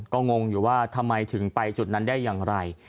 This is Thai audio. ก็งงอยู่ว่าทำไมถึงไปจุดนั้นได้อย่างไร